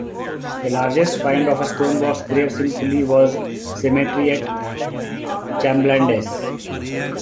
The largest find of stone box graves in Pully was the cemetery at Chamblandes.